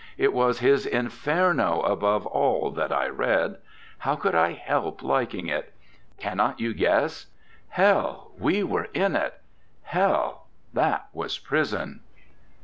It was his Inferno above all that I read; how could I help liking it? Cannot you guess? Hell, we were in it Hell, that was prison!'